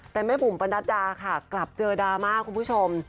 แต่แม่บุ๋มประนัดดาค่ะกลับเจอดราม่าคุณผู้ชม